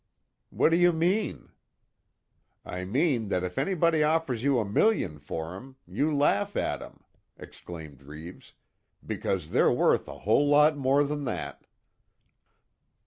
"What do you mean?" "I mean that if anybody offers you a million for 'em you laugh at 'em," exclaimed Reeves, "Because they're worth a whole lot more than that."